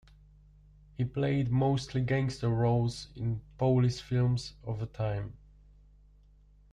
He played mostly gangster roles in police films of the time.